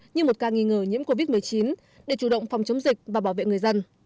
như một ca nghi ngờ nhiễm covid một mươi chín để chủ động phòng chống dịch và bảo vệ người dân